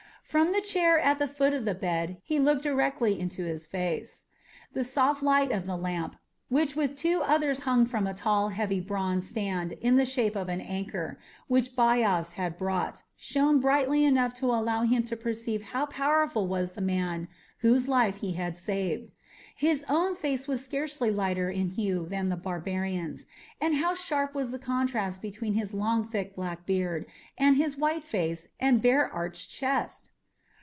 From the chair at the foot of the bed he looked directly into his face. The soft light of the lamp, which with two others hung from a tall, heavy bronze stand in the shape of an anchor, which Bias had brought, shone brightly enough to allow him to perceive how powerful was the man whose life he had saved. His own face was scarcely lighter in hue than the barbarian's, and how sharp was the contrast between his long, thick black beard and his white face and bare arched chest!